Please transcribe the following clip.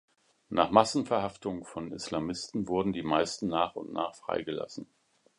Nach Massenverhaftungen von Islamisten wurden die meisten nach und nach freigelassen.